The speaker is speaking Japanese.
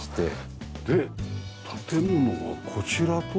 で建物はこちらと？